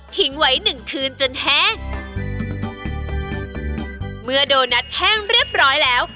ไว้หนึ่งคืนจนแท้เมื่อโดนัทแห้งเรียบร้อยแล้ว